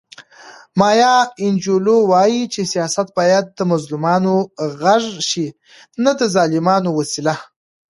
مایا انجیلو وایي چې سیاست باید د مظلومانو غږ شي نه د ظالمانو وسیله.